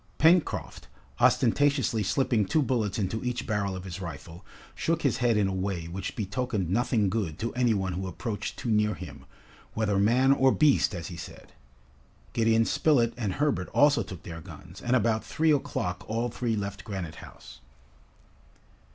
Pencroft, ostentatiously slipping two bullets into each barrel of his rifle, shook his head in a way which betokened nothing good to any one who approached too near him, whether "man or beast," as he said. Gideon Spilett and Herbert also took their guns, and about three o'clock all three left Granite House.